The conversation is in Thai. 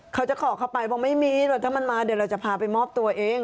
เขาจะขอเข้าไปบอกไม่มีหรอกถ้ามันมาเดี๋ยวเราจะพาไปมอบตัวเอง